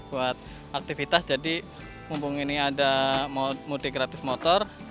buat aktivitas jadi mumpung ini ada mudik gratis motor